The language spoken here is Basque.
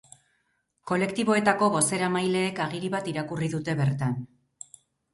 Kolektiboetako bozeramaileek agiri bat irakurri dute bertan.